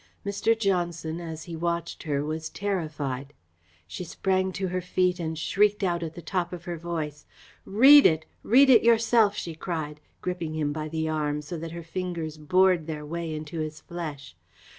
Mr. Johnson, as he watched her, was terrified. She sprang to her feet and shrieked out at the top of her voice. "Read it! Read it yourself!" she cried, gripping him by the arm, so that her fingers bored their way into his flesh.